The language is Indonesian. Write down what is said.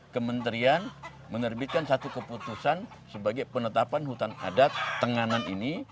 kementerian menerbitkan satu keputusan sebagai penetapan hutan adat tenganan ini